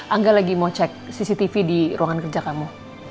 angga lagi mau cek cctv di ruangan kerja kamu